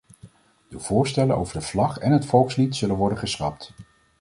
De voorstellen over de vlag en het volkslied zullen worden geschrapt.